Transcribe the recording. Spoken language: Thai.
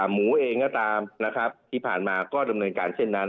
หมูเองก็ตามนะครับที่ผ่านมาก็ดำเนินการเช่นนั้น